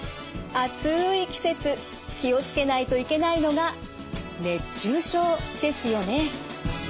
暑い季節気を付けないといけないのが熱中症ですよね。